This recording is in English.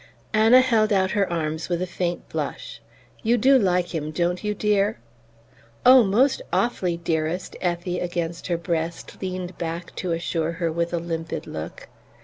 Anna held out her arms with a faint blush. "You do like him, don't you, dear?" "Oh, most awfully, dearest," Effie, against her breast, leaned back to assure her with a limpid look.